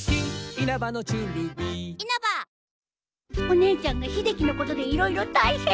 お姉ちゃんが秀樹のことで色々大変！